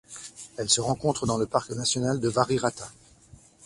Elle se rencontre dans le parc national de Varirata.